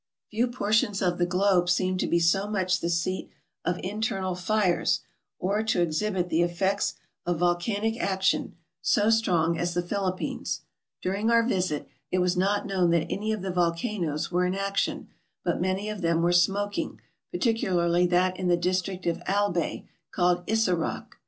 Few portions of the globe seem to be so much the seat of internal fires, or to exhibit the effects of volcanic action MISCELLANEOUS 397 so strong as the Philippines. During our visit, it was not known that any of the volcanoes were in action; but many of them were smoking, particularly that in the district of Albay, called Isaroc.